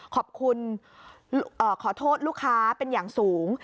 ขอโทษลูกค้าเป็นอย่างสูง